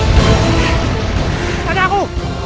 tidak ada aku